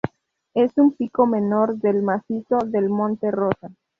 Es un pico menor del macizo del Monte Rosa.